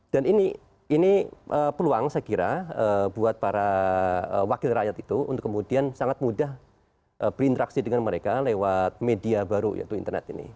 dan ini peluang saya kira buat para wakil rakyat itu untuk kemudian sangat mudah berinteraksi dengan mereka lewat media baru yaitu internet ini